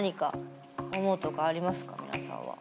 皆さんは。